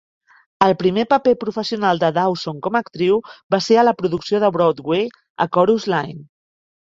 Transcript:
El primer paper professional de Dawson com a actriu va ser a la producció de Broadway "A Chorus Line".